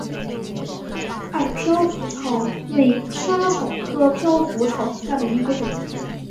矮飘拂草为莎草科飘拂草属下的一个种。